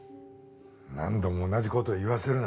何度も同じ事言わせるな。